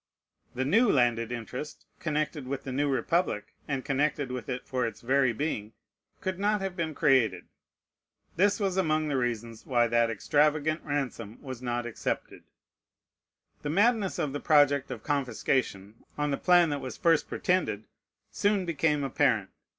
The new landed interest connected with the new republic, and connected with it for its very being, could not have been created. This was among the reasons why that extravagant ransom was not accepted. The madness of the project of confiscation, on the plan that was first pretended, soon became apparent.